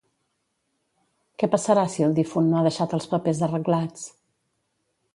Què passarà si el difunt no ha deixat els papers arreglats?